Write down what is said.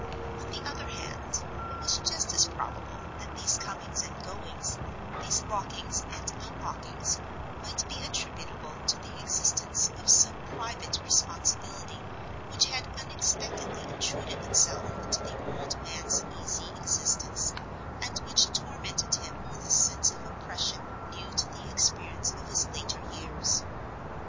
On the other hand, it was just as probable that these comings and goings, these lockings and unlockings, might be attributable to the existence of some private responsibility which had unexpectedly intruded itself into the old man's easy existence, and which tormented him with a sense of oppression new to the experience of his later years.